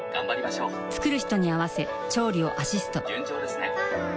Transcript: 作る人に合わせ調理をアシストばぁ！